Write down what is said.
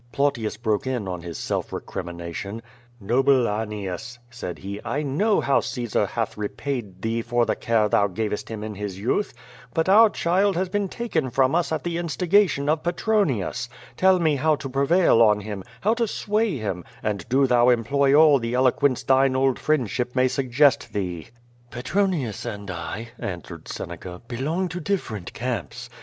Plautius broke in on his self recrimination: "Noble Annaeus," said he, "I know how Caesar hath re paid thee for the care thou gavest him in his youth. But our child has been taken from us at the instigation of Petro nius. Tell me how to prevail on him, how to sway him, and do thou employ all the eloquence thine old friendship may suggest thee.'* "Petronius and I," answered Seneca, belong to different camps.